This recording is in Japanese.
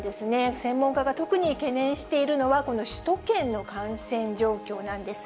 専門家が特に懸念しているのはこの首都圏の感染状況なんです。